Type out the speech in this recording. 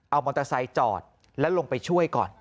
เอามอเตอร์ไซค์จอดแล้วลงไปช่วยก่อน